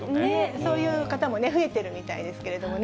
そういう方もね、増えてるみたいですけれどもね。